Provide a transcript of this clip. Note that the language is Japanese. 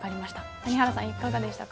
谷原さん、いかがでしたか。